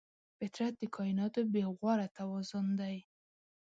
فطرت د کایناتو بېغوره توازن دی.